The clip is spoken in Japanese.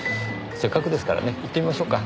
せっかくですからね行ってみましょうか。